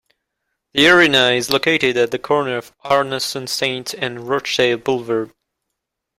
The arena is located at the corner of Arnason Saint and Rochdale Blvd.